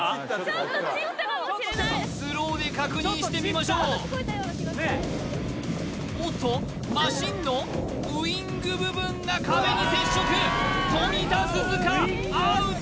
ちょっとちったかもしれないスローで確認してみましょうおっとマシンのウィング部分が壁に接触富田鈴花アウト！